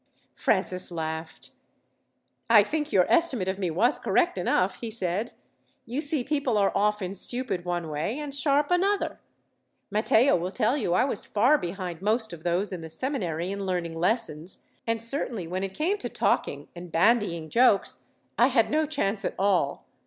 Francis laughed. "I think your estimate of me was correct enough," he said. "You see people are often stupid one way, and sharp another. Matteo will tell you I was far behind most of those in the seminary in learning lessons, and certainly when it came to talking, and bandying jokes, I had no chance at all.